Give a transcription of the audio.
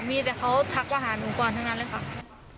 มีแต่เขาทักมาหาหนูก่อนทั้งนั้นเลยค่ะ